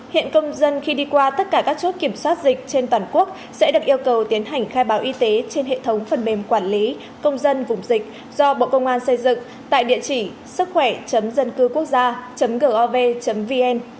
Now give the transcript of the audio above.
hiện công dân khi đi qua tất cả các chốt kiểm soát dịch trên toàn quốc sẽ được yêu cầu tiến hành khai báo y tế trên hệ thống phần mềm quản lý công dân vùng dịch do bộ công an xây dựng tại địa chỉ sức khỏe dân cư quốc gia gov vn